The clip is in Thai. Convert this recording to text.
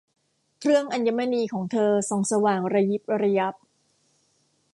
เครื่องอัญมณีของเธอส่องสว่างระยิบระยับ